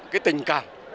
cái tình cảm